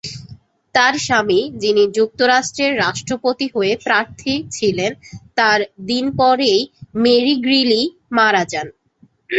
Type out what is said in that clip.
তার স্বামী, যিনি মার্কিন যুক্তরাষ্ট্রের রাষ্ট্রপতির হয়ে প্রার্থী ছিলেন, তার দিন পরেই মেরি গ্রিলি মারা যান।